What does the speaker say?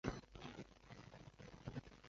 它拥有阿海珐。